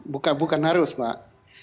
bukan harus pak